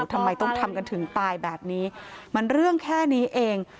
ทำไมต้องทำกันถึงตายแบบนี้มันเรื่องแค่นี้เอง